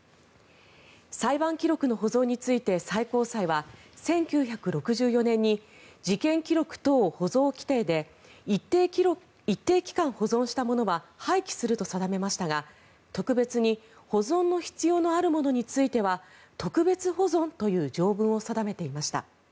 裁判記録の保存について最高裁は１９６４年に事件記録等保存規程で一定期間保存したものは廃棄すると定めましたが特別に保存の必要のあるものについては特別保存という条文を定めていました。